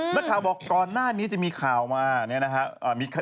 นักข่าวบอกก่อนหน้านี้จะมีข่าวมาเนี่ยนะครับ